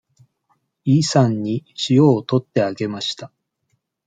イさんに塩を取ってあげました。